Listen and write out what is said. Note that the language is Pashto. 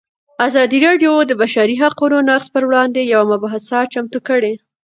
ازادي راډیو د د بشري حقونو نقض پر وړاندې یوه مباحثه چمتو کړې.